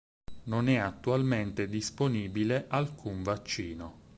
Non è attualmente disponibile alcun vaccino.